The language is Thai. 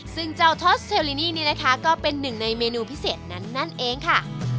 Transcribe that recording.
ซึ่งเจ้าทอสเทลลินี่นี่นะคะก็เป็นหนึ่งในเมนูพิเศษนั้นนั่นเองค่ะ